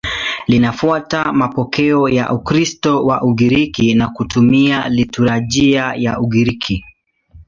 Linafuata mapokeo ya Ukristo wa Ugiriki na kutumia liturujia ya Ugiriki.